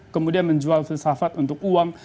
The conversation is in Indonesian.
kemudian menjual filsafat untuk uang